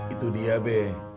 itu dia be